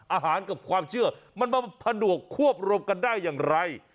อาหารกับความเชื่อมันมาผนวกควบรวมกันได้อย่างไร